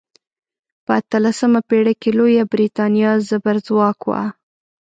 په اتلسمه پیړۍ کې لویه بریتانیا زبرځواک وه.